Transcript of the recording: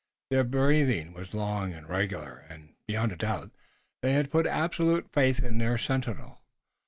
Their breathing was long and regular and, beyond a doubt, they had put absolute faith in their sentinel.